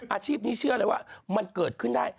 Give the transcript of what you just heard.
อาชีพนี้เชื่อเลยว่ามันเกิดขึ้นได้